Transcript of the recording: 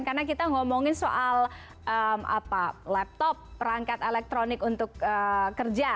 karena kita ngomongin soal laptop perangkat elektronik untuk kerja